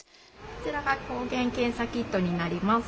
こちらが抗原検査キットになります。